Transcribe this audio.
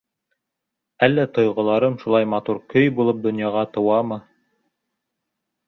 Әллә тойғоларым, шулай матур көй булып, донъяға тыуамы?